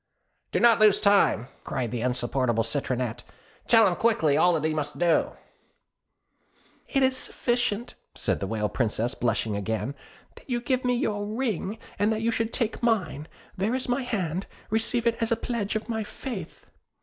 'Do not lose time,' cried the insupportable Citronette; 'tell him quickly all that he must do.' 'It is sufficient,' said the Whale Princess, blushing again, 'that you give me your ring, and that you should take mine; there is my hand, receive it as a pledge of my faith.'